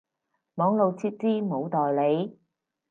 網路設置冇代理